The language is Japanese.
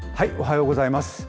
おはようございます。